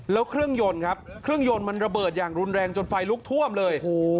แล้วเครื่องยนต์มันระเบิดอย่างรุนแรงจนไฟลุกท่วมเลย